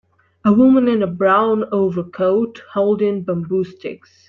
a woman in a brown over coat holding bamboo sticks